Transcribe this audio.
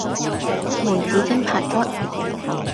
梅子蒸排骨